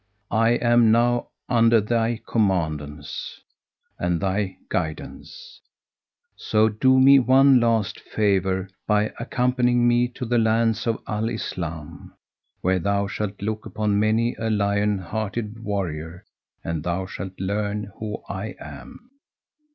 I am now under thy commandance and thy guidance; so do me one last favour by accompanying me to the lands of Al Islam; where thou shalt look upon many a lion hearted warrior and thou shalt learn who I am."